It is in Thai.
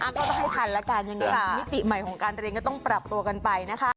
ก็ต้องให้ทันละกันอย่างนี้มิติใหม่ของการเตรียมก็ต้องปรับตัวกันไปนะคะ